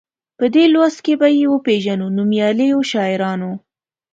په دې لوست کې به یې وپيژنو نومیالیو شاعرانو.